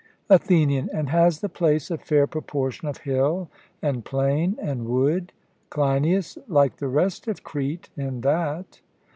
ATHENIAN: And has the place a fair proportion of hill, and plain, and wood? CLEINIAS: Like the rest of Crete in that.